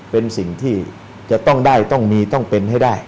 เป็นสิ่งที่จะต้องได้ต้องมีต้องเป็นให้ได้